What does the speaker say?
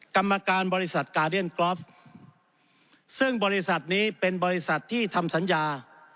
กรรมการบริษัทกาเดียนกรอฟซึ่งบริษัทนี้เป็นบริษัทที่ทำสัญญา